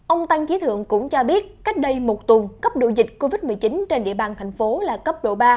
ông tăng trí thượng cũng cho biết cách đây một tuần cấp độ dịch covid một mươi chín trên địa bàn thành phố là cấp độ ba